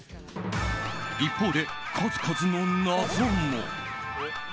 一方で、数々の謎も。